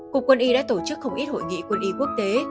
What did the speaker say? cục quân y đã tổ chức không ít hội nghị quân y quốc tế